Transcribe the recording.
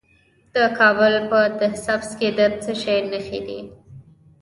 د کابل په ده سبز کې د څه شي نښې دي؟